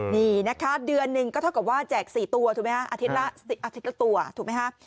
นี่นะคะเดือนหนึ่งก็เท่ากับว่าแจก๔ตัวอาทิตย์ละตัวถูกไหมคะ